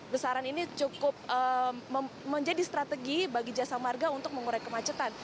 besaran ini cukup menjadi strategi bagi jasa marga untuk mengurai kemacetan